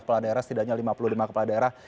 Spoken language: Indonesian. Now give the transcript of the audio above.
kepala daerah setidaknya lima puluh lima kepala daerah